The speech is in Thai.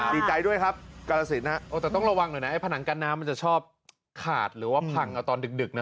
ดีใจด้วยครับกาลสินแต่ต้องระวังหน่อยนะไอผนังกั้นน้ำมันจะชอบขาดหรือว่าพังเอาตอนดึกนะ